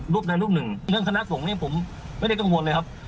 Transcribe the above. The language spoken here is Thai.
ใดรูปหนึ่งเรื่องคณะสงฆ์เนี่ยผมไม่ได้กังวลเลยครับ